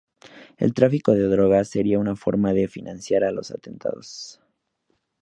El tráfico de drogas sería una forma de financiar los atentados.